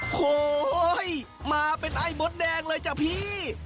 โหมาเป็นไอ้มดแดงเลยจ้ะพี่